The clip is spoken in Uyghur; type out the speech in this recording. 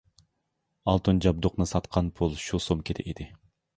ئالتۇن جابدۇقنى ساتقان پۇل شۇ سومكىدا ئىدى.